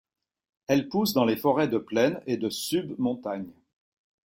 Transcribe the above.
Elle pousse dans les forêts de plaine et de sub-montagne.